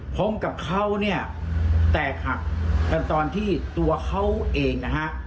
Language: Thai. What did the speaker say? ผมกับเขาเนี่ยแตกหักกันตอนที่ตัวเขาเองนะฮะ